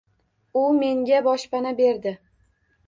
U menga boshpana berdi.